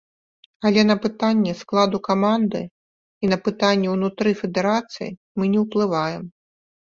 Але на пытанні складу каманды і на пытанні ўнутры федэрацый мы не ўплываем.